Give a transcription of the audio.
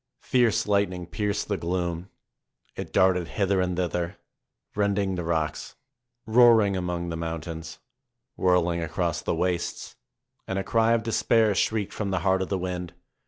Fierce lightning pierced the gloom ; it darted hither and thither, rending the rocks, roaring among the mountains, whirl ing across the wastes. And a cry of despair shrieked from the heart of the wind.